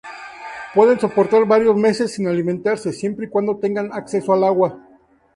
Pueden soportar varios meses sin alimentarse, siempre y cuando tengan acceso al agua.